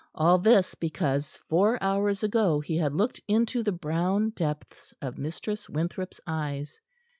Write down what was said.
All this because four hours ago he had looked into the brown depths of Mistress Winthrop's eyes.